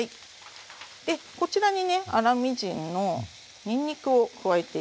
でこちらにね粗みじんのにんにくを加えていきます。